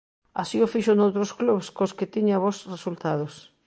Así o fixo noutros clubs cos que tiña bos resultados.